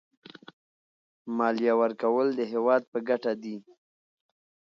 مالیه ورکول د هېواد په ګټه دي.